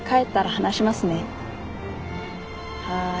はい。